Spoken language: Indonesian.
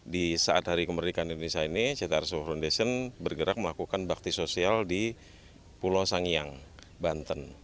di saat hari kemerdekaan indonesia ini ct arso foundation bergerak melakukan bakti sosial di pulau sangiang banten